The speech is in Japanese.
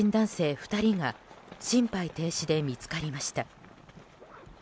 ２人が心肺停止で見つかりました。